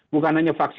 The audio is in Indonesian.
bukan hanya vaksin ini